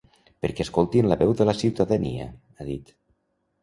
“Perquè escoltin la veu de la ciutadania”, ha dit.